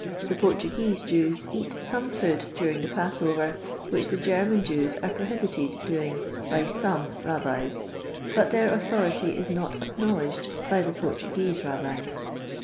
The Portuguese Jews eat some food during the Pacsover, which the German Jews are prohibited doing by some Bab bis, but their authority is not acknowledged by the Portuguese Rabbis.